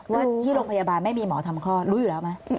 ว่าที่โรงพยาบาลไม่มีหมอทำคลอดรู้อยู่แล้วไหม